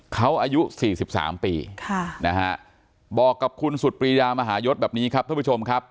เขาอายุ๔๓ปีบอกกับคุณสุดปรีดามหายศแบบนี้ครับท่านผู้ชมครับ